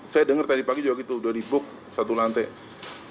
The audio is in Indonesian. saya dengar tadi pagi juga gitu udah di book satu lantai